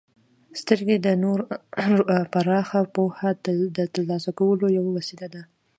•سترګې د نور پراخه پوهه د ترلاسه کولو یوه وسیله ده.